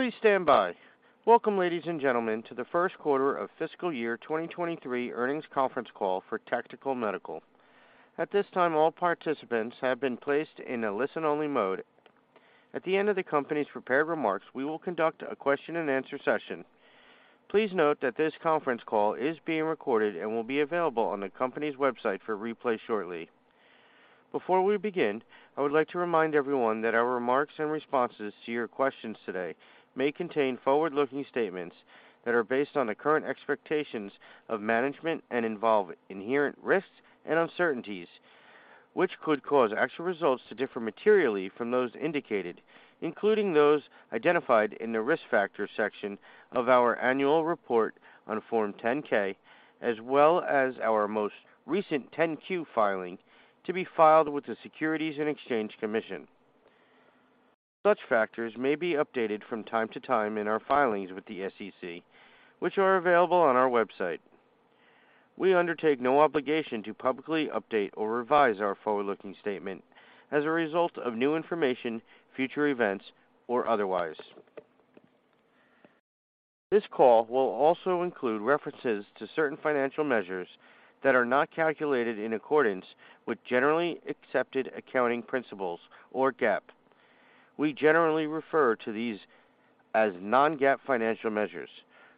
Please stand by. Welcome, ladies and gentlemen, to the first quarter of fiscal year 2023 earnings conference call for Tactile Medical. At this time, all participants have been placed in a listen-only mode. At the end of the company's prepared remarks, we will conduct a question-and-answer session. Please note that this conference call is being recorded and will be available on the company's website for replay shortly. Before we begin, I would like to remind everyone that our remarks and responses to your questions today may contain forward-looking statements that are based on the current expectations of management and involve inherent risks and uncertainties, which could cause actual results to differ materially from those indicated, including those identified in the Risk Factors section of our annual report on Form 10-K, as well as our most recent 10-Q filing to be filed with the Securities and Exchange Commission. Such factors may be updated from time to time in our filings with the SEC, which are available on our website. We undertake no obligation to publicly update or revise our forward-looking statement as a result of new information, future events, or otherwise. This call will also include references to certain financial measures that are not calculated in accordance with generally accepted accounting principles, or GAAP. We generally refer to these as non-GAAP financial measures.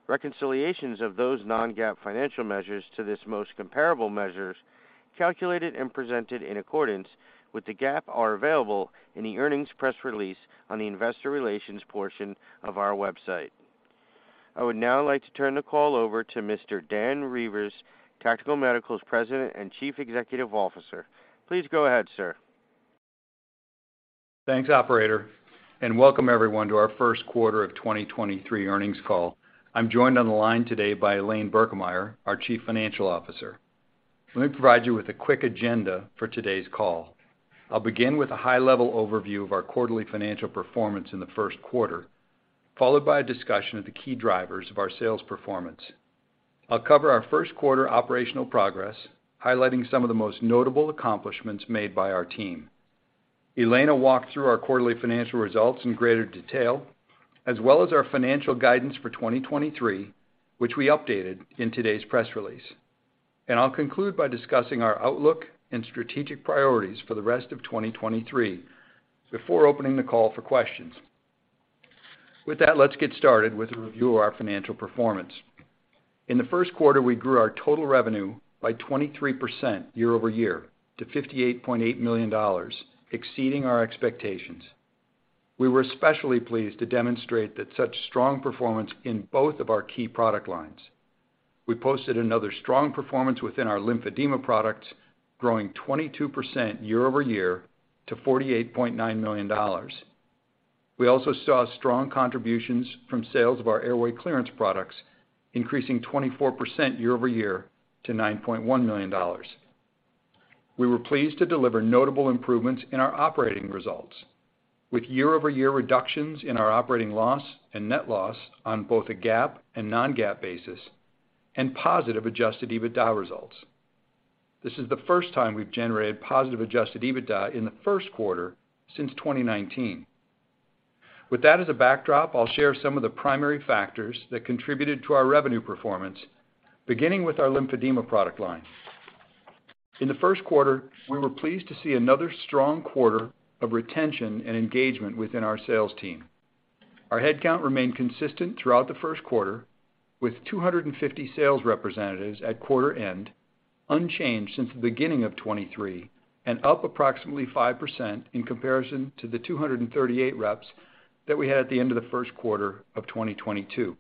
Reconciliations of those non-GAAP financial measures to this most comparable measures calculated and presented in accordance with the GAAP are available in the earnings press release on the investor relations portion of our website. I would now like to turn the call over to Mr. Dan Reuvers, Tactile Medical's President and Chief Executive Officer. Please go ahead, sir. Thanks, operator, and welcome everyone to our first quarter of 2023 earnings call. I'm joined on the line today by Elaine Birkemeyer, our Chief Financial Officer. Let me provide you with a quick agenda for today's call. I'll begin with a high-level overview of our quarterly financial performance in the first quarter, followed by a discussion of the key drivers of our sales performance. I'll cover our first quarter operational progress, highlighting some of the most notable accomplishments made by our team. Elaine will walk through our quarterly financial results in greater detail, as well as our financial guidance for 2023, which we updated in today's press release. I'll conclude by discussing our outlook and strategic priorities for the rest of 2023 before opening the call for questions. With that, let's get started with a review of our financial performance. In the first quarter, we grew our total revenue by 23% year-over-year to $58.8 million, exceeding our expectations. We were especially pleased to demonstrate that such strong performance in both of our key product lines. We posted another strong performance within our lymphedema products, growing 22% year-over-year to $48.9 million. We also saw strong contributions from sales of our airway clearance products, increasing 24% year-over-year to $9.1 million. We were pleased to deliver notable improvements in our operating results with year-over-year reductions in our operating loss and net loss on both a GAAP and non-GAAP basis and positive adjusted EBITDA results. This is the first time we've generated positive adjusted EBITDA in the first quarter since 2019. With that as a backdrop, I'll share some of the primary factors that contributed to our revenue performance, beginning with our lymphedema product line. In the first quarter, we were pleased to see another strong quarter of retention and engagement within our sales team. Our headcount remained consistent throughout the first quarter, with 250 sales representatives at quarter end, unchanged since the beginning of 2023 and up approximately 5% in comparison to the 238 reps that we had at the end of the first quarter of 2022.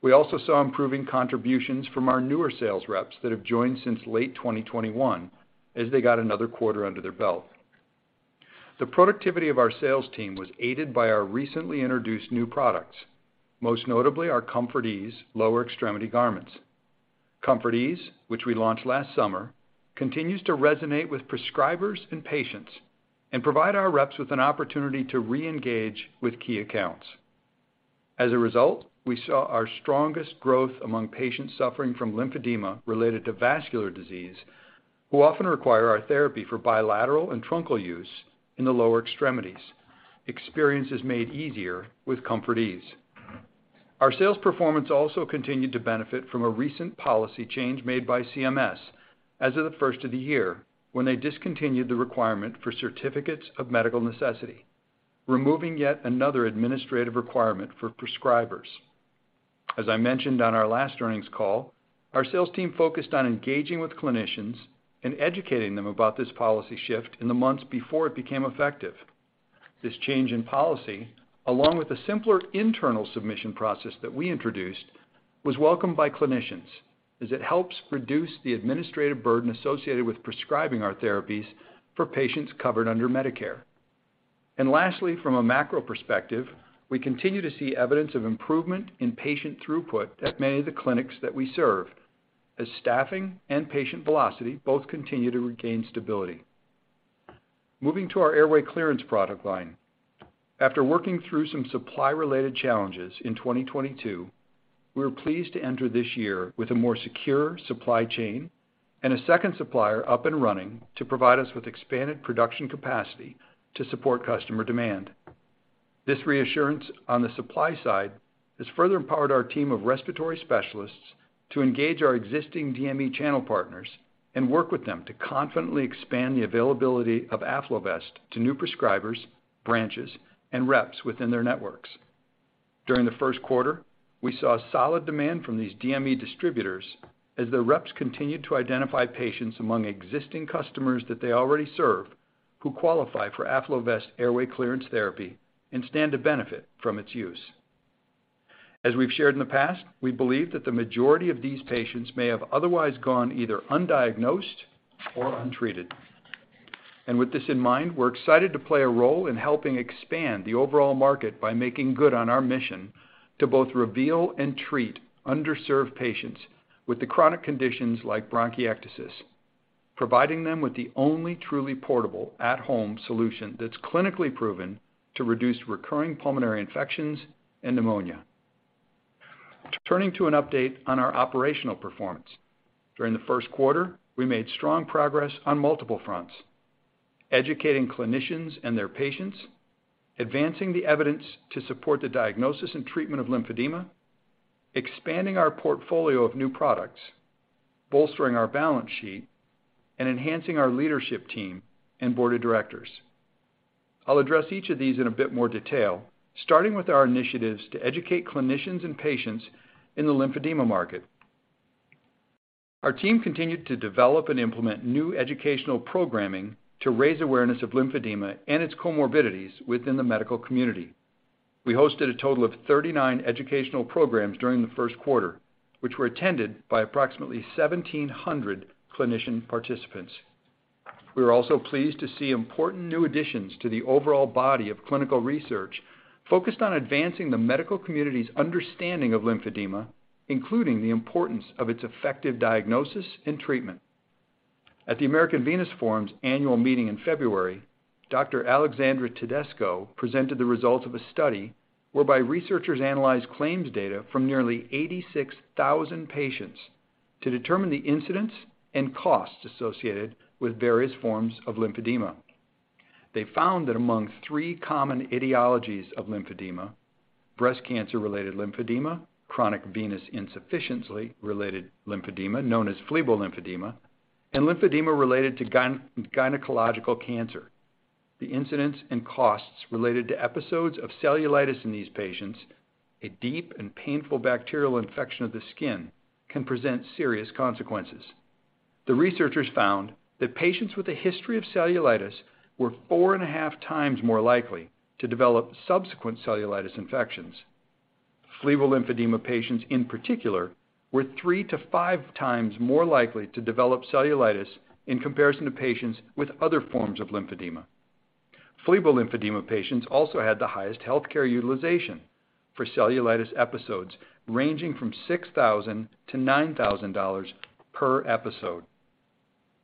We also saw improving contributions from our newer sales reps that have joined since late 2021 as they got another quarter under their belt. The productivity of our sales team was aided by our recently introduced new products, most notably our ComfortEase lower extremity garments. ComfortEase, which we launched last summer, continues to resonate with prescribers and patients and provide our reps with an opportunity to reengage with key accounts. As a result, we saw our strongest growth among patients suffering from lymphedema related to vascular disease, who often require our therapy for bilateral and truncal use in the lower extremities. Experience is made easier with ComfortEase. Our sales performance also continued to benefit from a recent policy change made by CMS as of the first of the year when they discontinued the requirement for Certificates of Medical Necessity, removing yet another administrative requirement for prescribers. As I mentioned on our last earnings call, our sales team focused on engaging with clinicians and educating them about this policy shift in the months before it became effective. This change in policy, along with the simpler internal submission process that we introduced, was welcomed by clinicians as it helps reduce the administrative burden associated with prescribing our therapies for patients covered under Medicare. Lastly, from a macro perspective, we continue to see evidence of improvement in patient throughput at many of the clinics that we serve as staffing and patient velocity both continue to regain stability. Moving to our airway clearance product line. After working through some supply-related challenges in 2022. We're pleased to enter this year with a more secure supply chain and a second supplier up and running to provide us with expanded production capacity to support customer demand. This reassurance on the supply side has further empowered our team of respiratory specialists to engage our existing DME channel partners and work with them to confidently expand the availability of AffloVest to new prescribers, branches, and reps within their networks. During the first quarter, we saw solid demand from these DME distributors as their reps continued to identify patients among existing customers that they already serve who qualify for AffloVest airway clearance therapy and stand to benefit from its use. As we've shared in the past, we believe that the majority of these patients may have otherwise gone either undiagnosed or untreated. With this in mind, we're excited to play a role in helping expand the overall market by making good on our mission to both reveal and treat underserved patients with the chronic conditions like bronchiectasis, providing them with the only truly portable at-home solution that's clinically proven to reduce recurring pulmonary infections and pneumonia. Turning to an update on our operational performance. During the first quarter, we made strong progress on multiple fronts, educating clinicians and their patients, advancing the evidence to support the diagnosis and treatment of lymphedema, expanding our portfolio of new products, bolstering our balance sheet, and enhancing our leadership team and board of directors. I'll address each of these in a bit more detail, starting with our initiatives to educate clinicians and patients in the lymphedema market. Our team continued to develop and implement new educational programming to raise awareness of lymphedema and its comorbidities within the medical community. We hosted a total of 39 educational programs during the first quarter, which were attended by approximately 1,700 clinician participants. We were also pleased to see important new additions to the overall body of clinical research focused on advancing the medical community's understanding of lymphedema, including the importance of its effective diagnosis and treatment. At the American Venous Forum's annual meeting in February, Dr. Alexandra Tedesco presented the results of a study whereby researchers analyzed claims data from nearly 86,000 patients to determine the incidence and costs associated with various forms of lymphedema. They found that among three common etiologies of lymphedema, breast cancer-related lymphedema, chronic venous insufficiency related lymphedema, known as phlebolymphedema, and lymphedema related to gynecological cancer. The incidence and costs related to episodes of cellulitis in these patients, a deep and painful bacterial infection of the skin, can present serious consequences. The researchers found that patients with a history of cellulitis were 4.5x more likely to develop subsequent cellulitis infections. Phlebolymphedema patients, in particular, were 3x-5x more likely to develop cellulitis in comparison to patients with other forms of lymphedema. Phlebolymphedema patients also had the highest healthcare utilization for cellulitis episodes, ranging from $6,000-$9,000 per episode.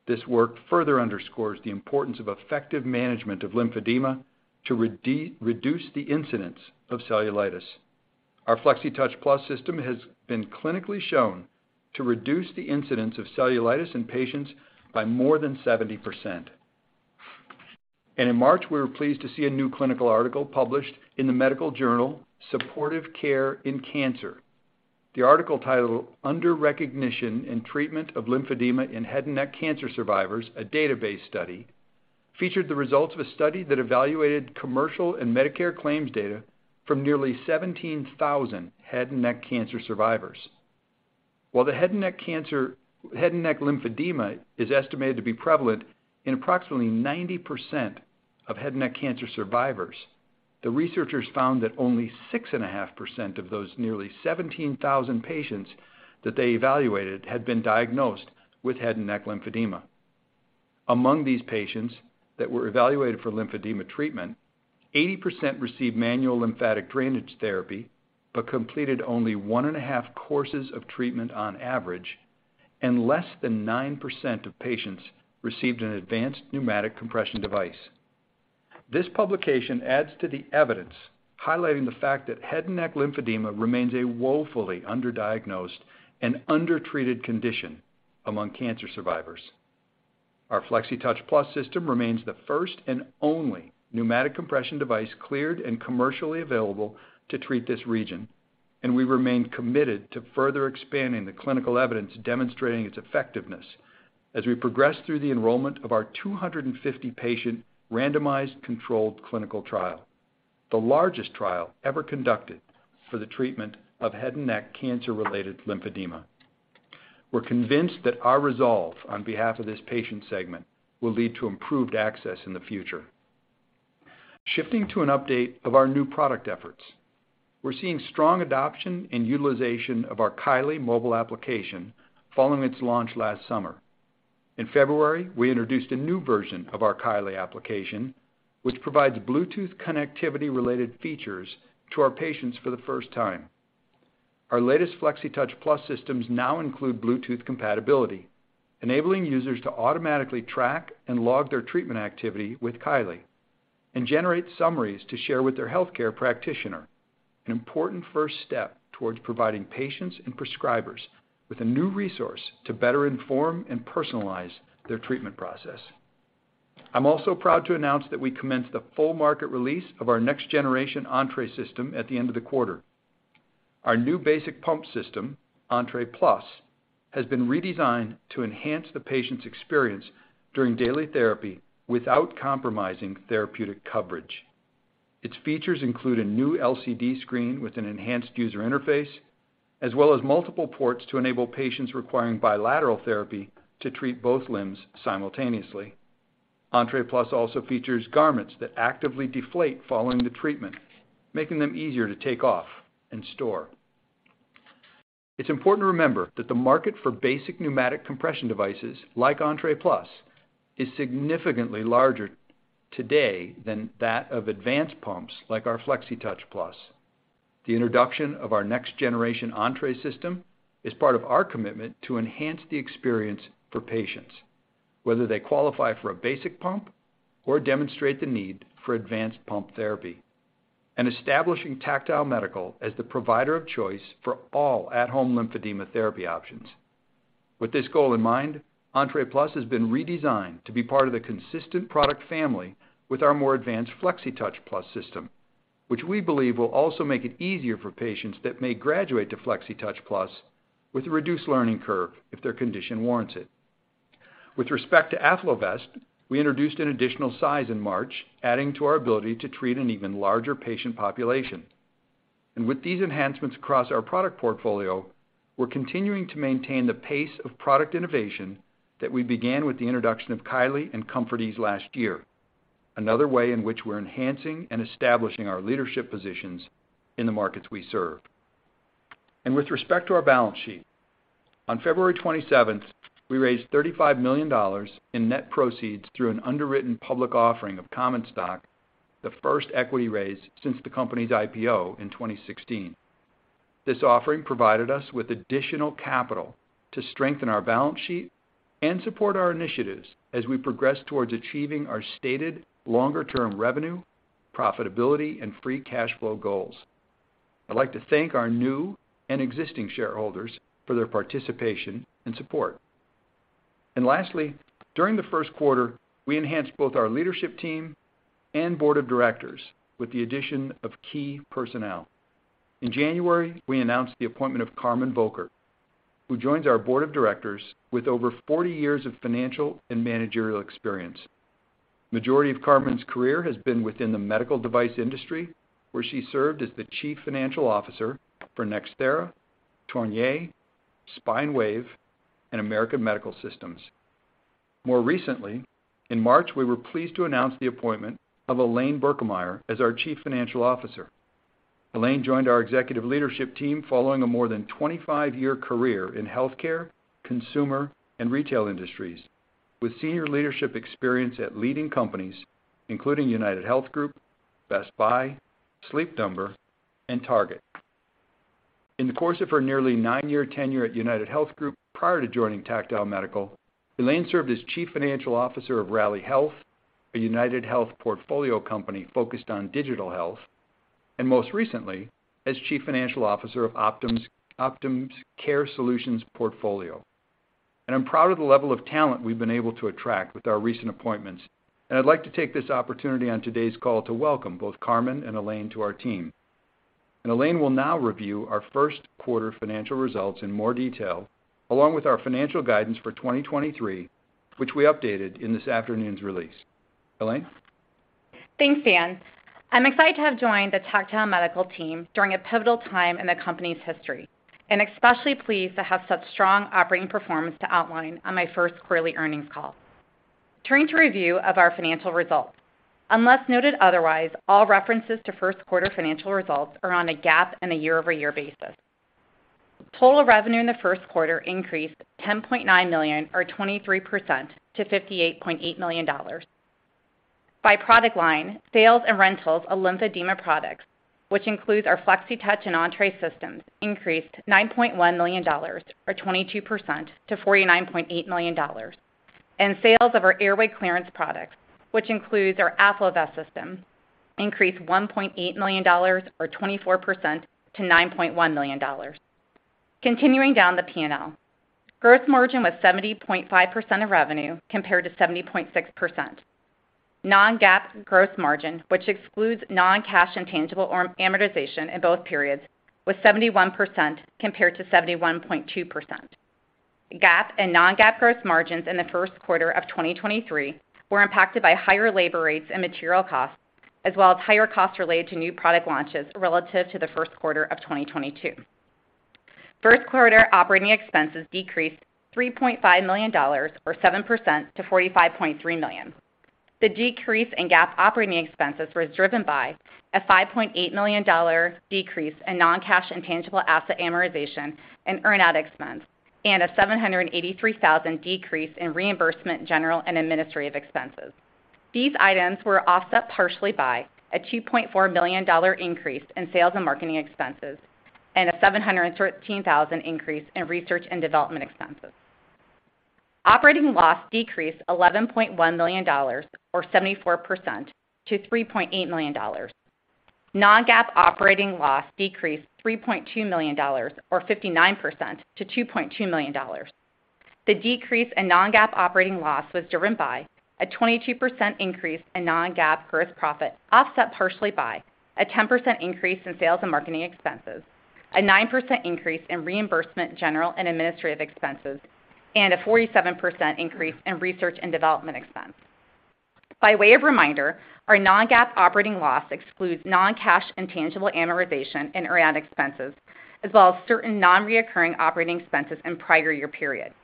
This work further underscores the importance of effective management of lymphedema to reduce the incidence of cellulitis. Our Flexitouch Plus system has been clinically shown to reduce the incidence of cellulitis in patients by more than 70%. In March, we were pleased to see a new clinical article published in the medical journal, Supportive Care in Cancer. The article titled Under-Recognition in Treatment of Lymphedema in Head and Neck Cancer Survivors: A Database Study, featured the results of a study that evaluated commercial and Medicare claims data from nearly 17,000 head and neck cancer survivors. While Head and neck lymphedema is estimated to be prevalent in approximately 90% of head and neck cancer survivors, the researchers found that only 6.5% of those nearly 17,000 patients that they evaluated had been diagnosed with head and neck lymphedema. Among these patients that were evaluated for lymphedema treatment, 80% received manual lymphatic drainage therapy, but completed only 1.5 courses of treatment on average, less than 9% of patients received an advanced pneumatic compression device. This publication adds to the evidence highlighting the fact that head and neck lymphedema remains a woefully underdiagnosed and undertreated condition among cancer survivors. Our Flexitouch Plus system remains the first and only pneumatic compression device cleared and commercially available to treat this region, we remain committed to further expanding the clinical evidence demonstrating its effectiveness as we progress through the enrollment of our 250 patient randomized controlled clinical trial, the largest trial ever conducted for the treatment of head and neck cancer-related lymphedema. We're convinced that our resolve on behalf of this patient segment will lead to improved access in the future. Shifting to an update of our new product efforts. We're seeing strong adoption and utilization of our Kylee mobile application following its launch last summer. In February, we introduced a new version of our Kylee application, which provides Bluetooth connectivity-related features to our patients for the first time. Our latest Flexitouch Plus systems now include Bluetooth compatibility, enabling users to automatically track and log their treatment activity with Kylee. Generate summaries to share with their healthcare practitioner, an important first step towards providing patients and prescribers with a new resource to better inform and personalize their treatment process. I'm also proud to announce that we commenced the full market release of our next generation Entre System at the end of the quarter. Our new basic pump system, Entre Plus, has been redesigned to enhance the patient's experience during daily therapy without compromising therapeutic coverage. Its features include a new LCD screen with an enhanced user interface, as well as multiple ports to enable patients requiring bilateral therapy to treat both limbs simultaneously. Entre Plus also features garments that actively deflate following the treatment, making them easier to take off and store. It's important to remember that the market for basic pneumatic compression devices like Entre Plus is significantly larger today than that of advanced pumps like our Flexitouch Plus. The introduction of our next generation Entre System is part of our commitment to enhance the experience for patients, whether they qualify for a basic pump or demonstrate the need for advanced pump therapy, and establishing Tactile Medical as the provider of choice for all at-home lymphedema therapy options. With this goal in mind, Entre Plus has been redesigned to be part of the consistent product family with our more advanced Flexitouch Plus system, which we believe will also make it easier for patients that may graduate to Flexitouch Plus with a reduced learning curve if their condition warrants it. With respect to AffloVest, we introduced an additional size in March, adding to our ability to treat an even larger patient population. With these enhancements across our product portfolio, we're continuing to maintain the pace of product innovation that we began with the introduction of Kylee and ComfortEase last year, another way in which we're enhancing and establishing our leadership positions in the markets we serve. With respect to our balance sheet, on February 27th, we raised $35 million in net proceeds through an underwritten public offering of common stock, the first equity raise since the company's IPO in 2016. This offering provided us with additional capital to strengthen our balance sheet and support our initiatives as we progress towards achieving our stated longer term revenue, profitability, and free cash flow goals. I'd like to thank our new and existing shareholders for their participation and support. Lastly, during the first quarter, we enhanced both our leadership team and board of directors with the addition of key personnel. In January, we announced the appointment of Carmen Volkart, who joins our board of directors with over 40 years of financial and managerial experience. Majority of Carmen's career has been within the medical device industry, where she served as the chief financial officer for NxThera, Tornier, Spine Wave, and American Medical Systems. More recently, in March, we were pleased to announce the appointment of Elaine Birkemeyer as our chief financial officer. Elaine joined our executive leadership team following a more than 25-year career in health care, consumer, and retail industries with senior leadership experience at leading companies, including UnitedHealth Group, Best Buy, Sleep Number, and Target. In the course of her nearly nine-year tenure at UnitedHealth Group prior to joining Tactile Medical, Elaine served as chief financial officer of Rally Health, a UnitedHealth portfolio company focused on digital health, and most recently, as chief financial officer of Optum's Care Solutions portfolio. I'm proud of the level of talent we've been able to attract with our recent appointments, and I'd like to take this opportunity on today's call to welcome both Carmen and Elaine to our team. Elaine will now review our first quarter financial results in more detail, along with our financial guidance for 2023, which we updated in this afternoon's release. Elaine? Thanks, Dan. I'm excited to have joined the Tactile Medical team during a pivotal time in the company's history, and especially pleased to have such strong operating performance to outline on my first quarterly earnings call. Turning to review of our financial results. Unless noted otherwise, all references to first quarter financial results are on a GAAP and a year-over-year basis. Total revenue in the first quarter increased $10.9 million or 23% to $58.8 million. By product line, sales and rentals of lymphedema products, which includes our Flexitouch and Entre Systems, increased $9.1 million or 22% to $49.8 million. Sales of our airway clearance products, which includes our AffloVest System, increased $1.8 million or 24% to $9.1 million. Continuing down the P&L. Gross margin was 70.5% of revenue compared to 70.6%. Non-GAAP gross margin, which excludes non-cash intangible amortization in both periods, was 71% compared to 71.2%. GAAP and non-GAAP gross margins in the first quarter of 2023 were impacted by higher labor rates and material costs, as well as higher costs related to new product launches relative to the first quarter of 2022. First quarter operating expenses decreased $3.5 million or 7% to $45.3 million. The decrease in GAAP operating expenses was driven by a $5.8 million decrease in non-cash intangible asset amortization and earn-out expense and a $783,000 decrease in reimbursement, general, and administrative expenses. These items were offset partially by a $2.4 million increase in sales and marketing expenses and a $713,000 increase in research and development expenses. Operating loss decreased $11.1 million or 74% to $3.8 million. Non-GAAP operating loss decreased $3.2 million or 59% to $2.2 million. The decrease in non-GAAP operating loss was driven by a 22% increase in non-GAAP gross profit, offset partially by a 10% increase in sales and marketing expenses, a 9% increase in reimbursement, general and administrative expenses, and a 47% increase in research and development expense. By way of reminder, our non-GAAP operating loss excludes non-cash intangible amortization and rent expenses as well as certain non-recurring operating expenses in prior year period.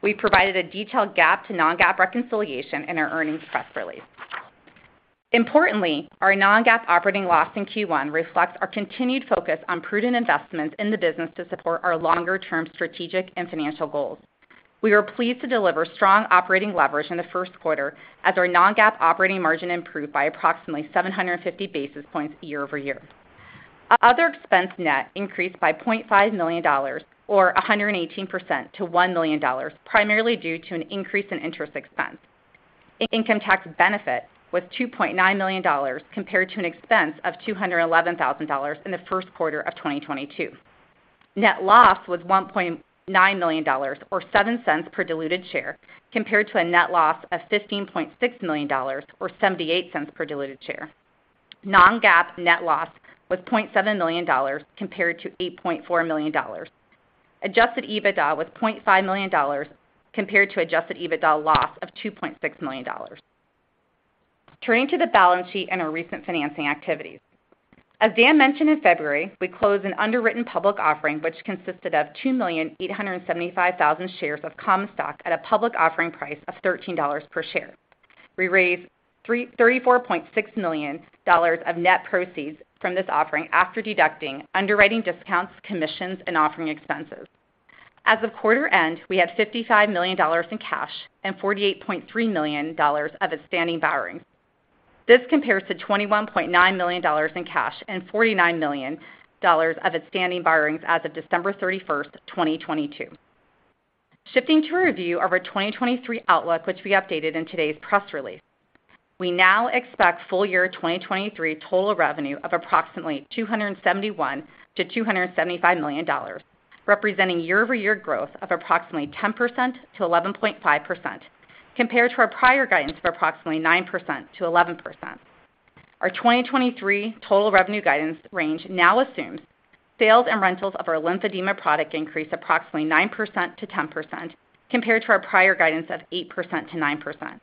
We provided a detailed GAAP to non-GAAP reconciliation in our earnings press release. Importantly, our non-GAAP operating loss in Q1 reflects our continued focus on prudent investments in the business to support our longer-term strategic and financial goals. We were pleased to deliver strong operating leverage in the first quarter as our non-GAAP operating margin improved by approximately 750 basis points year-over-year. Other expense net increased by $0.5 million or 118% to $1 million, primarily due to an increase in interest expense. Income tax benefit was $2.9 million compared to an expense of $211,000 in the first quarter of 2022. Net loss was $1.9 million or $0.07 per diluted share compared to a net loss of $15.6 million or $0.78 per diluted share. Non-GAAP net loss was $0.7 million compared to $8.4 million. Adjusted EBITDA was $0.5 million compared to adjusted EBITDA loss of $2.6 million. Turning to the balance sheet and our recent financing activities. As Dan mentioned in February, we closed an underwritten public offering, which consisted of 2,875,000 shares of common stock at a public offering price of $13 per share. We raised $34.6 million of net proceeds from this offering after deducting underwriting discounts, commissions, and offering expenses. As of quarter end, we have $55 million in cash and $48.3 million of outstanding borrowings. This compares to $21.9 million in cash and $49 million of outstanding borrowings as of December 31, 2022. Shifting to a review of our 2023 outlook, which we updated in today's press release. We now expect full year 2023 total revenue of approximately $271 million-$275 million, representing year-over-year growth of approximately 10%-11.5% compared to our prior guidance of approximately 9%-11%. Our 2023 total revenue guidance range now assumes sales and rentals of our lymphedema product increase approximately 9%-10% compared to our prior guidance of 8%-9%.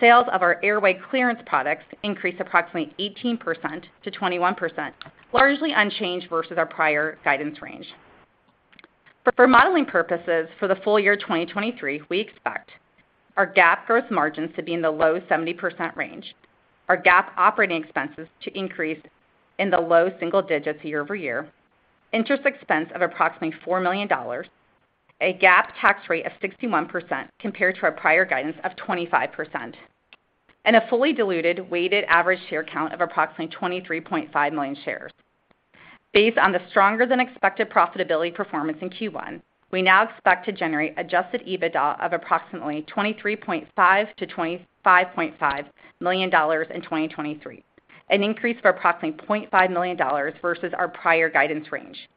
Sales of our airway clearance products increase approximately 18%-21%, largely unchanged versus our prior guidance range. For modeling purposes for the full year 2023, we expect our GAAP gross margins to be in the low 70% range, our GAAP operating expenses to increase in the low single digits year-over-year, interest expense of approximately $4 million, a GAAP tax rate of 61% compared to our prior guidance of 25%, and a fully diluted weighted average share count of approximately 23.5 million shares. Based on the stronger than expected profitability performance in Q1, we now expect to generate adjusted EBITDA of approximately $23.5 million-$25.5 million in 2023, an increase of approximately $0.5 million versus our prior guidance range.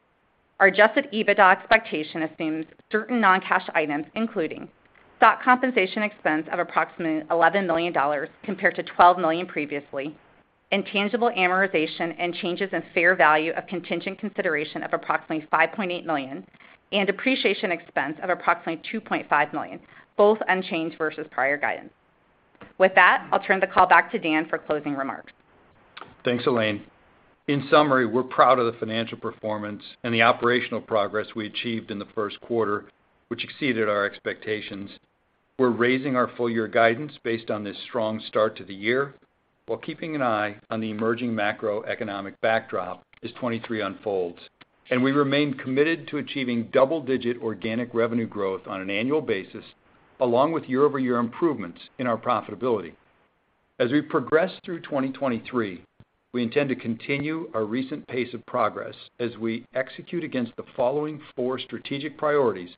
Our adjusted EBITDA expectation assumes certain non-cash items, including stock compensation expense of approximately $11 million compared to $12 million previously, intangible amortization and changes in fair value of contingent consideration of approximately $5.8 million, and depreciation expense of approximately $2.5 million, both unchanged versus prior guidance. With that, I'll turn the call back to Dan for closing remarks. Thanks, Elaine. In summary, we're proud of the financial performance and the operational progress we achieved in the first quarter, which exceeded our expectations. We're raising our full year guidance based on this strong start to the year while keeping an eye on the emerging macroeconomic backdrop as 2023 unfolds. We remain committed to achieving double-digit organic revenue growth on an annual basis, along with year-over-year improvements in our profitability. As we progress through 2023, we intend to continue our recent pace of progress as we execute against the following four strategic priorities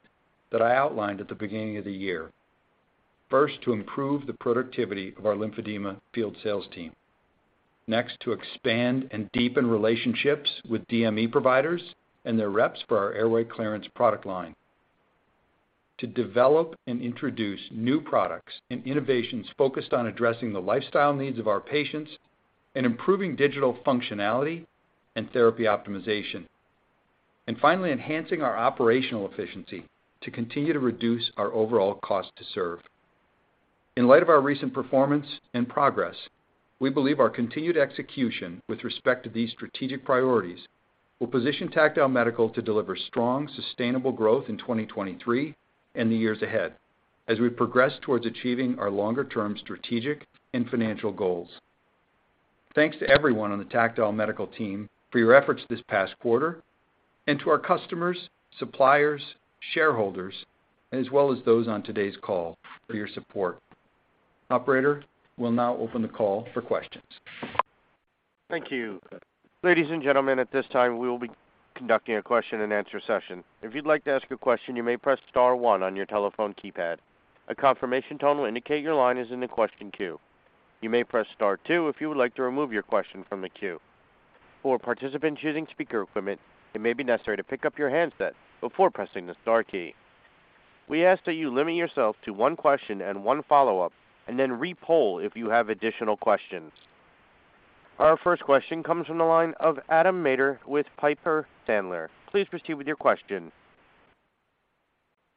that I outlined at the beginning of the year. First, to improve the productivity of our lymphedema field sales team. Next, to expand and deepen relationships with DME providers and their reps for our airway clearance product line. To develop and introduce new products and innovations focused on addressing the lifestyle needs of our patients and improving digital functionality and therapy optimization. Finally, enhancing our operational efficiency to continue to reduce our overall cost to serve. In light of our recent performance and progress, we believe our continued execution with respect to these strategic priorities will position Tactile Medical to deliver strong, sustainable growth in 2023 and the years ahead as we progress towards achieving our longer-term strategic and financial goals. Thanks to everyone on the Tactile Medical team for your efforts this past quarter, and to our customers, suppliers, shareholders, as well as those on today's call for your support. Operator, we'll now open the call for questions. Thank you. Ladies and gentlemen, at this time, we will be conducting a question-and-answer session. If you'd like to ask a question, you may press star one on your telephone keypad. A confirmation tone will indicate your line is in the question queue. You may press star two if you would like to remove your question from the queue. For participants using speaker equipment, it may be necessary to pick up your handset before pressing the star key. We ask that you limit yourself to one question and one follow-up, and then re-poll if you have additional questions. Our first question comes from the line of Adam Maeder with Piper Sandler. Please proceed with your question.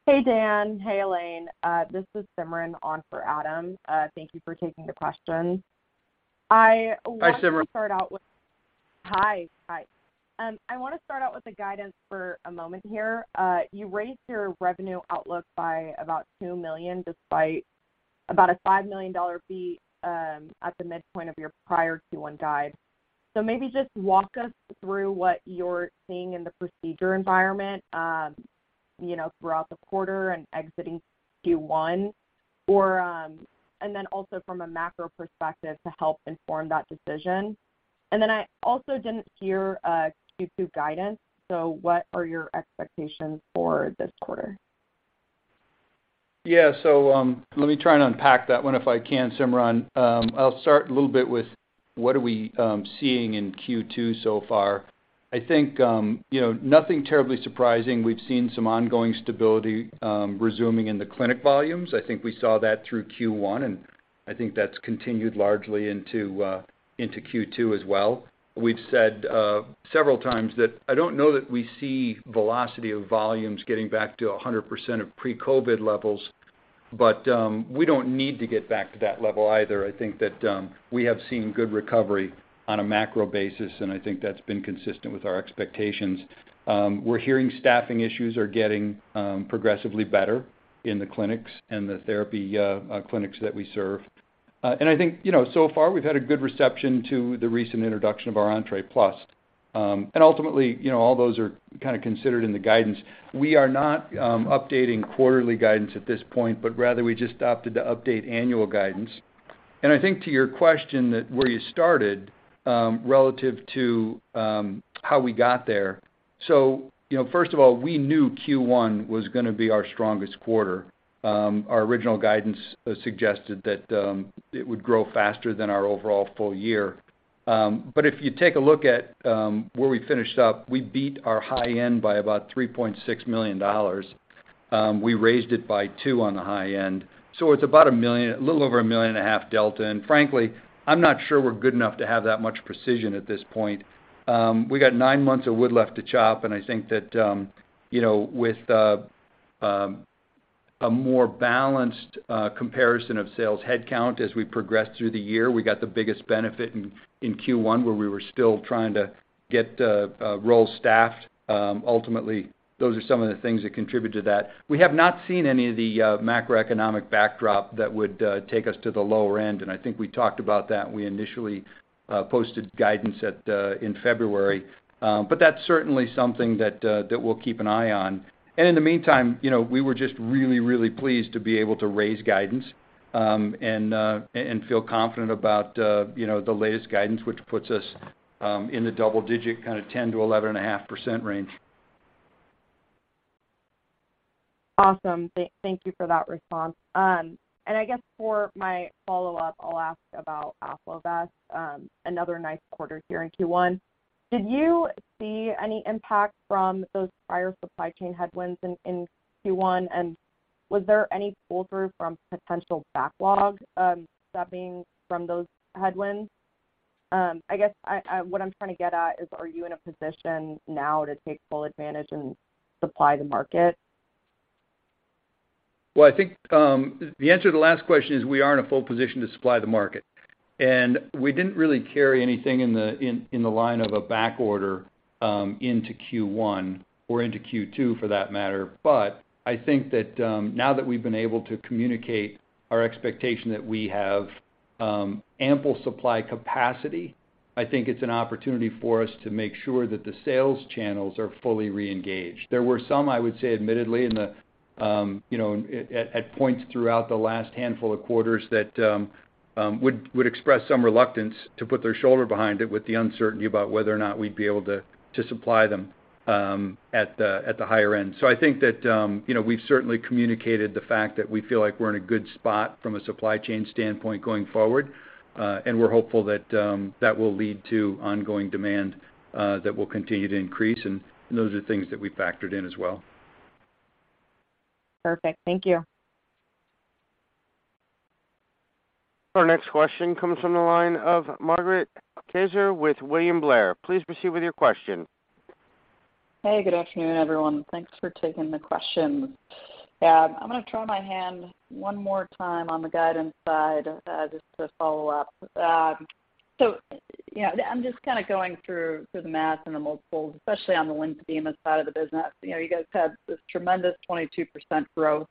Hey, Dan. Hey, Elaine. This is Simran on for Adam. Thank you for taking the question. Hi, Simran. Hi. I wanna start out with the guidance for a moment here. You raised your revenue outlook by about $2 million, despite about a $5 million fee, at the midpoint of your prior Q1 guide. Maybe just walk us through what you're seeing in the procedure environment, you know, throughout the quarter and exiting Q1, or, and then also from a macro perspective to help inform that decision. I also didn't hear a Q2 guidance, so what are your expectations for this quarter? Let me try and unpack that one if I can, Simran. I'll start a little bit with what are we seeing in Q2 so far. I think, you know, nothing terribly surprising. We've seen some ongoing stability resuming in the clinic volumes. I think we saw that through Q1. I think that's continued largely into Q2 as well. We've said several times that I don't know that we see velocity of volumes getting back to 100% of pre-COVID levels. We don't need to get back to that level either. I think that we have seen good recovery on a macro basis. I think that's been consistent with our expectations. We're hearing staffing issues are getting progressively better in the clinics and the therapy clinics that we serve. I think, you know, so far we've had a good reception to the recent introduction of our Entre Plus. Ultimately, you know, all those are kinda considered in the guidance. We are not updating quarterly guidance at this point, but rather we just opted to update annual guidance. I think to your question that where you started, relative to how we got there. You know, first of all, we knew Q1 was gonna be our strongest quarter. Our original guidance suggested that it would grow faster than our overall full year. If you take a look at where we finished up, we beat our high end by about $3.6 million. We raised it by two on the high end. It's about $1 million, a little over $1.5 million delta, and frankly, I'm not sure we're good enough to have that much precision at this point. We got nine months of wood left to chop, and I think that, you know, with a more balanced comparison of sales headcount as we progress through the year, we got the biggest benefit in Q1, where we were still trying to get role staffed. Ultimately, those are some of the things that contribute to that. We have not seen any of the macroeconomic backdrop that would take us to the lower end, and I think we talked about that when we initially posted guidance in February. But that's certainly something that we'll keep an eye on. In the meantime, you know, we were just really, really pleased to be able to raise guidance, and feel confident about, you know, the latest guidance, which puts us in the double digit, kinda 10%-11.5% range. Awesome. Thank you for that response. I guess for my follow-up, I'll ask about AffloVest, another nice quarter here in Q1. Did you see any impact from those prior supply chain headwinds in Q1? Was there any pull-through from potential backlog stemming from those headwinds? What I'm trying to get at is, are you in a position now to take full advantage and supply the market? I think the answer to the last question is we are in a full position to supply the market. We didn't really carry anything in the line of a back order into Q1 or into Q2 for that matter. I think that now that we've been able to communicate our expectation that we have ample supply capacity, I think it's an opportunity for us to make sure that the sales channels are fully reengaged. There were some I would say admittedly in the, you know, at points throughout the last handful of quarters that would express some reluctance to put their shoulder behind it with the uncertainty about whether or not we'd be able to supply them at the higher end. I think that, you know, we've certainly communicated the fact that we feel like we're in a good spot from a supply chain standpoint going forward. We're hopeful that will lead to ongoing demand, that will continue to increase, and those are things that we factored in as well. Perfect. Thank you. Our next question comes from the line of Margaret Kaczor with William Blair. Please proceed with your question. Hey, good afternoon, everyone. Thanks for taking the questions. I'm gonna try my hand one more time on the guidance side, just to follow up. You know, I'm just kinda going through the math and the multiples, especially on the lymphedema side of the business. You know, you guys had this tremendous 22% growth.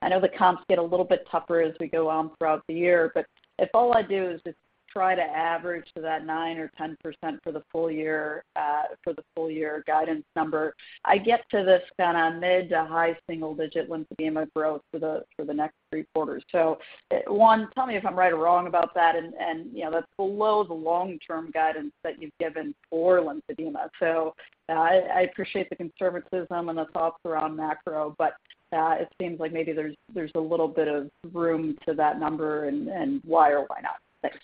I know the comps get a little bit tougher as we go on throughout the year, but if all I do is just try to average to that 9% or 10% for the full year, for the full year guidance number, I get to this kinda mid to high single digit lymphedema growth for the next three quarters. One, tell me if I'm right or wrong about that and, you know, that's below the long-term guidance that you've given for lymphedema. I appreciate the conservatism and the thoughts around macro, but it seems like maybe there's a little bit of room to that number and why or why not? Thanks.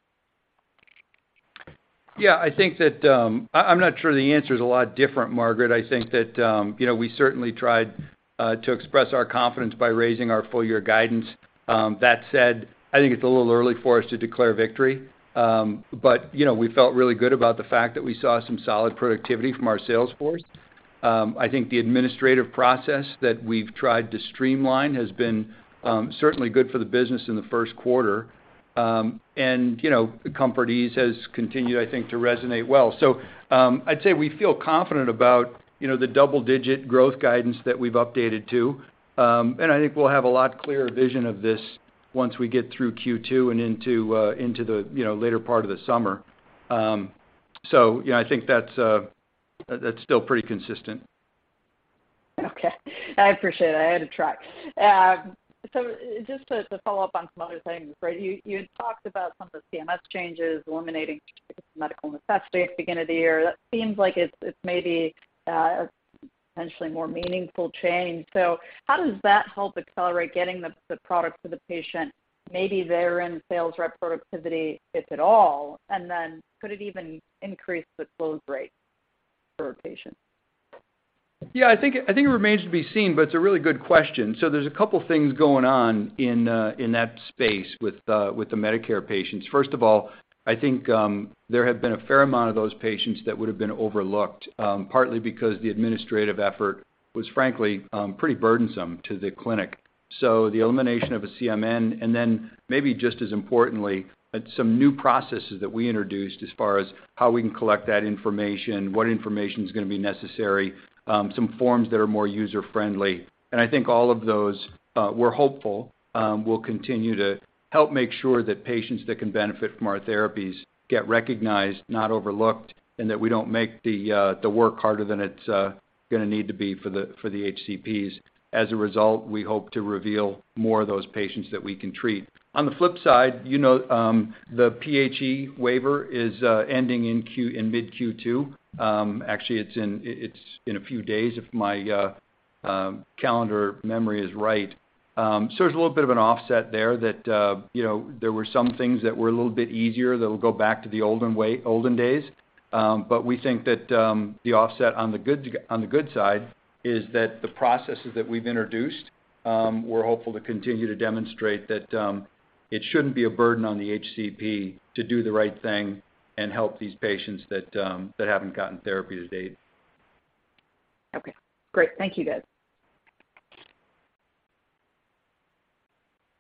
Yeah. I think that, I'm not sure the answer is a lot different, Margaret. I think that, you know, we certainly tried to express our confidence by raising our full year guidance. That said, I think it's a little early for us to declare victory. You know, we felt really good about the fact that we saw some solid productivity from our sales force. I think the administrative process that we've tried to streamline has been certainly good for the business in the first quarter. You know, the ComfortEase has continued, I think, to resonate well. I'd say we feel confident about, you know, the double-digit growth guidance that we've updated to. I think we'll have a lot clearer vision of this once we get through Q2 and into the, you know, later part of the summer. You know, I think that's still pretty consistent. Okay. I appreciate it. I had to try. Just to follow up on some other things, right? You had talked about some of the CMS changes eliminating medical necessity at the beginning of the year. That seems like it's maybe potentially more meaningful change. How does that help accelerate getting the product to the patient, maybe there in sales rep productivity, if at all? Could it even increase the close rate for a patient? I think it remains to be seen, but it's a really good question. There's a couple things going on in that space with the Medicare patients. First of all, I think, there have been a fair amount of those patients that would've been overlooked, partly because the administrative effort was, frankly, pretty burdensome to the clinic. The elimination of a CMN, and then maybe just as importantly, some new processes that we introduced as far as how we can collect that information, what information's gonna be necessary, some forms that are more user-friendly. I think all of those, we're hopeful, will continue to help make sure that patients that can benefit from our therapies get recognized, not overlooked, and that we don't make the work harder than it's gonna need to be for the HCPs. As a result, we hope to reveal more of those patients that we can treat. On the flip side, you know, the PHE waiver is ending in mid-Q2. Actually it's in, it's in a few days if my calendar memory is right. There's a little bit of an offset there that, you know, there were some things that were a little bit easier that'll go back to the olden days. We think that the offset on the good side is that the processes that we've introduced, we're hopeful to continue to demonstrate that it shouldn't be a burden on the HCP to do the right thing and help these patients that haven't gotten therapy to date. Okay, great. Thank you, guys.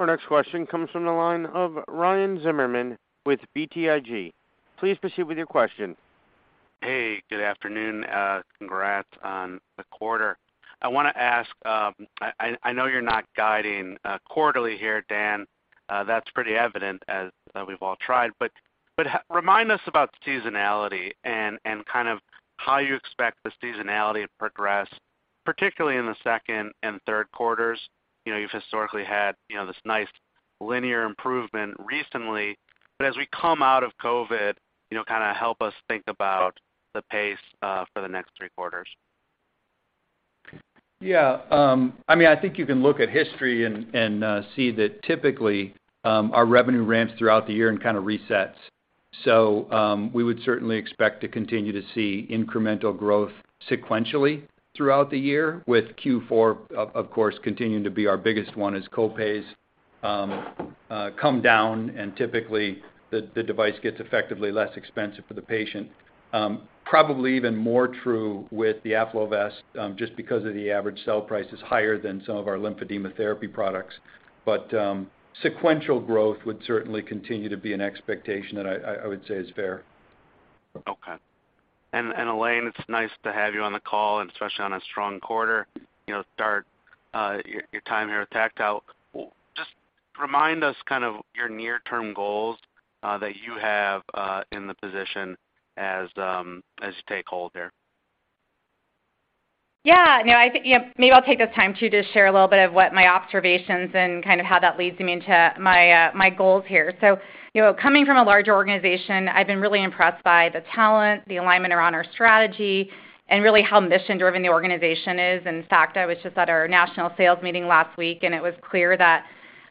Our next question comes from the line of Ryan Zimmerman with BTIG. Please proceed with your question. Hey, good afternoon. Congrats on the quarter. I wanna ask, I know you're not guiding quarterly here, Dan, that's pretty evident as we've all tried. Remind us about the seasonality and kind of how you expect the seasonality to progress, particularly in the second and third quarters. You know, you've historically had, you know, this nice linear improvement recently, as we come out of COVID, you know, kinda help us think about the pace for the next three quarters. Yeah. I mean, I think you can look at history and see that typically, our revenue ramps throughout the year and kinda resets. We would certainly expect to continue to see incremental growth sequentially throughout the year with Q4 of course, continuing to be our biggest one as copays come down and typically the device gets effectively less expensive for the patient. Probably even more true with the AffloVest, just because of the average sale price is higher than some of our lymphedema therapy products. Sequential growth would certainly continue to be an expectation that I would say is fair. Okay. And Elaine, it's nice to have you on the call, and especially on a strong quarter. You know, start your time here at Tactile. Just remind us kind of your near-term goals that you have in the position as you take hold there. No, I think, you know, maybe I'll take this time to just share a little bit of what my observations and kind of how that leads me into my goals here. You know, coming from a larger organization, I've been really impressed by the talent, the alignment around our strategy, and really how mission-driven the organization is. In fact, I was just at our national sales meeting last week, and it was clear that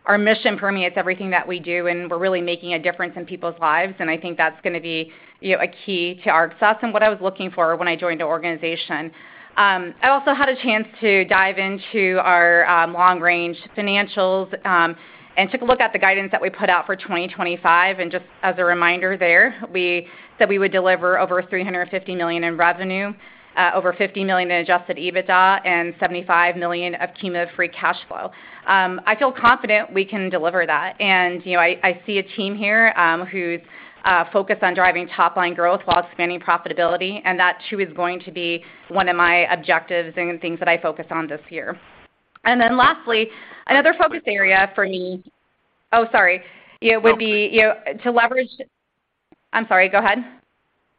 our mission permeates everything that we do, and we're really making a difference in people's lives, and I think that's gonna be, you know, a key to our success and what I was looking for when I joined the organization. I also had a chance to dive into our long range financials and took a look at the guidance that we put out for 2025. Just as a reminder there, we said we would deliver over $350 million in revenue, over $50 million in adjusted EBITDA, and $75 million of cumulative free cash flow. I feel confident we can deliver that. You know, I see a team here who's focused on driving top-line growth while expanding profitability, and that too is going to be one of my objectives and things that I focus on this year. Lastly, another focus area for me. Oh, sorry. It would be, you know, to leverage. I'm sorry. Go ahead.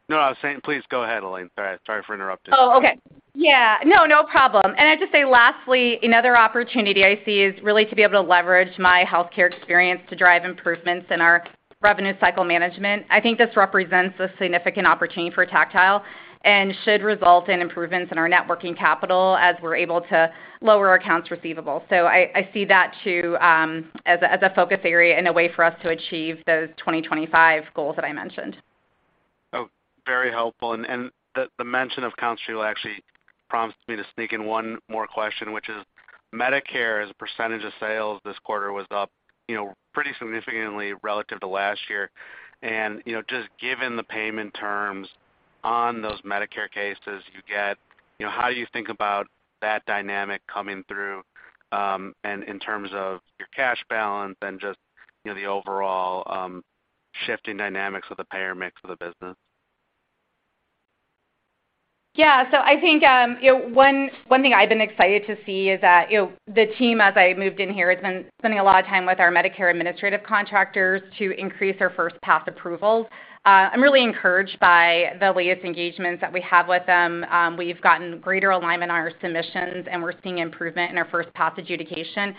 No, I was saying please go ahead, Elaine. Sorry for interrupting. Oh, okay. Yeah, no problem. I'd just say lastly, another opportunity I see is really to be able to leverage my healthcare experience to drive improvements in our revenue cycle management. I think this represents a significant opportunity for Tactile and should result in improvements in our networking capital as we're able to lower our accounts receivable. I see that, too, as a, as a focus area and a way for us to achieve those 2025 goals that I mentioned. Oh, very helpful. The mention of accounts receivable actually prompts me to sneak in one more question, which is Medicare as a percentage of sales this quarter was up, you know, pretty significantly relative to last year. You know, just given the payment terms on those Medicare cases you get, you know, how you think about that dynamic coming through, and in terms of your cash balance and just, you know, the overall shifting dynamics of the payer mix of the business. Yeah. I think, you know, one thing I've been excited to see is that, you know, the team, as I moved in here, has been spending a lot of time with our Medicare Administrative Contractors to increase our first pass approvals. I'm really encouraged by the latest engagements that we have with them. We've gotten greater alignment on our submissions, and we're seeing improvement in our first pass adjudication.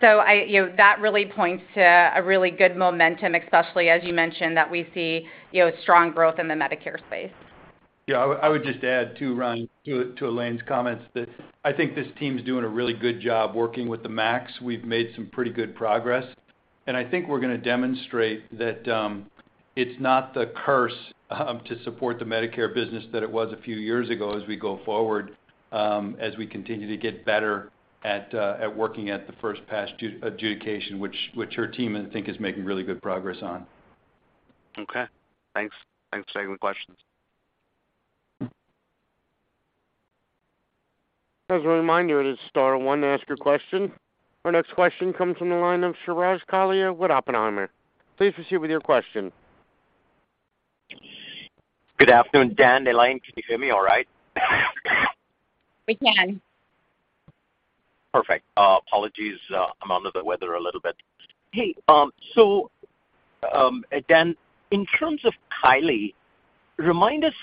I, you know, that really points to a really good momentum, especially as you mentioned, that we see, you know, strong growth in the Medicare space. I would just add too, Ryan, to Elaine's comments that I think this team's doing a really good job working with the MAC. We've made some pretty good progress, and I think we're gonna demonstrate that it's not the curse to support the Medicare business that it was a few years ago as we go forward, as we continue to get better at working at the first pass adjudication, which her team I think is making really good progress on. Okay. Thanks. Thanks for taking the questions. As a reminder, it is star one to ask your question. Our next question comes from the line of Suraj Kalia with Oppenheimer. Please proceed with your question. Good afternoon, Dan, Elaine. Can you hear me all right? We can. Perfect. Apologies, I'm under the weather a little bit. Hey. Dan, in terms of Kylee, remind us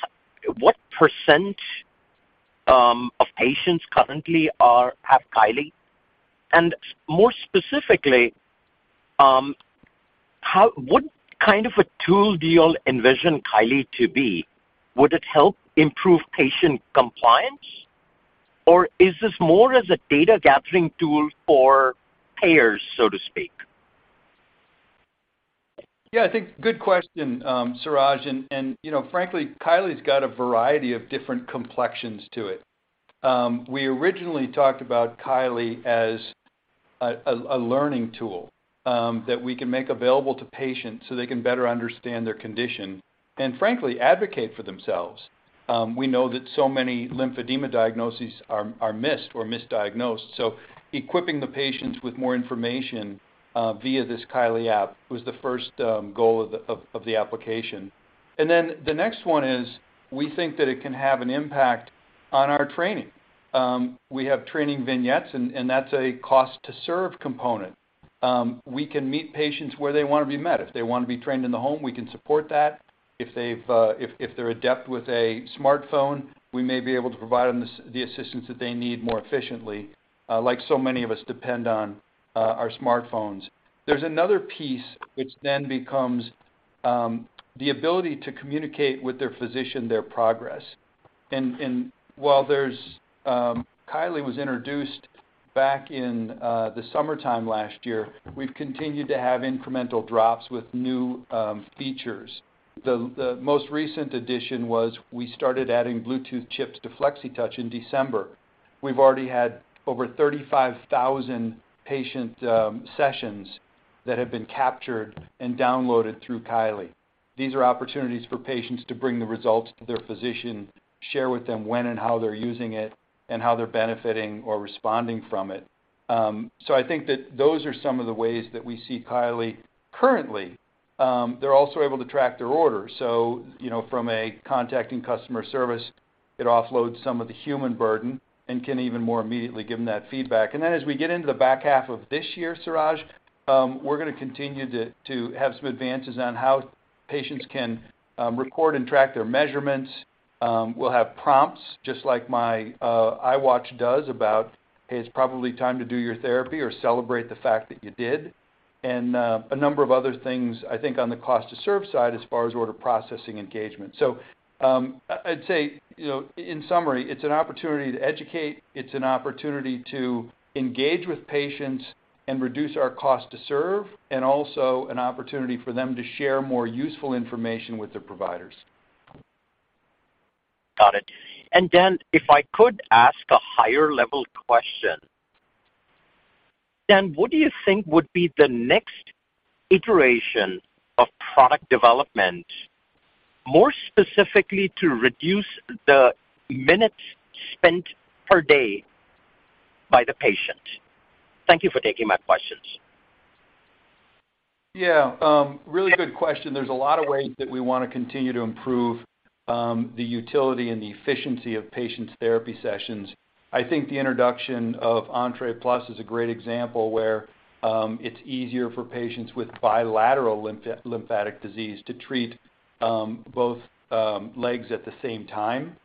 what percentage of patients currently have Kylee? More specifically, What kind of a tool do you all envision Kylee to be? Would it help improve patient compliance, or is this more as a data gathering tool for payers, so to speak? Yeah, I think good question, Suraj. You know, frankly, Kylee's got a variety of different complexions to it. We originally talked about Kylee as a learning tool that we can make available to patients so they can better understand their condition and frankly advocate for themselves. We know that so many lymphedema diagnoses are missed or misdiagnosed, so equipping the patients with more information via this Kylee app was the first goal of the application. The next one is we think that it can have an impact on our training. We have training vignettes and that's a cost to serve component. We can meet patients where they wanna be met. If they wanna be trained in the home, we can support that. If they've, if they're adept with a smartphone, we may be able to provide them the assistance that they need more efficiently, like so many of us depend on our smartphones. There's another piece which then becomes the ability to communicate with their physician their progress. While there's Kylee was introduced back in the summertime last year, we've continued to have incremental drops with new features. The most recent addition was we started adding Bluetooth chips to Flexitouch in December. We've already had over 35,000 patient sessions that have been captured and downloaded through Kylee. These are opportunities for patients to bring the results to their physician, share with them when and how they're using it, and how they're benefiting or responding from it. I think that those are some of the ways that we see Kylee currently. They're also able to track their orders. You know, from a contacting customer service, it offloads some of the human burden and can even more immediately give them that feedback. As we get into the back half of this year, Suraj, we're gonna continue to have some advances on how patients can report and track their measurements. We'll have prompts just like my iWatch does about, "Hey, it's probably time to do your therapy or celebrate the fact that you did." A number of other things, I think, on the cost to serve side as far as order processing engagement. I'd say, you know, in summary, it's an opportunity to educate, it's an opportunity to engage with patients and reduce our cost to serve, and also an opportunity for them to share more useful information with their providers. Got it. Dan, if I could ask a higher level question. Dan, what do you think would be the next iteration of product development, more specifically to reduce the minutes spent per day by the patient? Thank you for taking my questions. Really good question. There's a lot of ways that we wanna continue to improve the utility and the efficiency of patients' therapy sessions. I think the introduction of Entre Plus is a great example where it's easier for patients with bilateral lymphatic disease to treat both legs at the same time.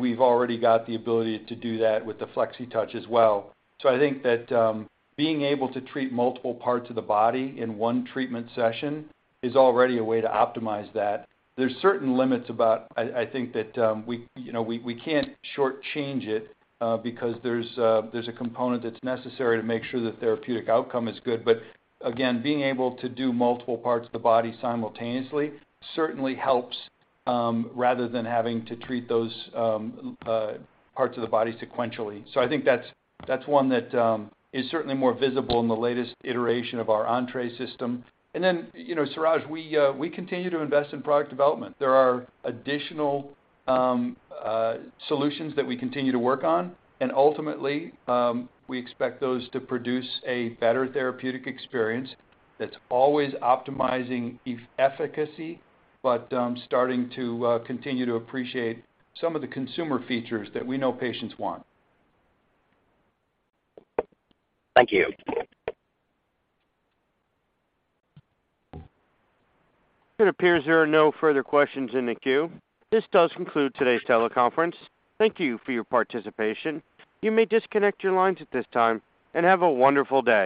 We've already got the ability to do that with the Flexitouch as well. I think that being able to treat multiple parts of the body in one treatment session is already a way to optimize that. There's certain limits about, I think that, we, you know, we can't shortchange it because there's a component that's necessary to make sure the therapeutic outcome is good. Again, being able to do multiple parts of the body simultaneously certainly helps, rather than having to treat those parts of the body sequentially. I think that's one that is certainly more visible in the latest iteration of our Entre system. Then, you know, Suraj, we continue to invest in product development. There are additional solutions that we continue to work on, and ultimately, we expect those to produce a better therapeutic experience that's always optimizing efficacy, but starting to continue to appreciate some of the consumer features that we know patients want. Thank you. It appears there are no further questions in the queue. This does conclude today's teleconference. Thank you for your participation. You may disconnect your lines at this time. Have a wonderful day.